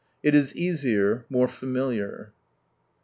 It is easier, more familiar.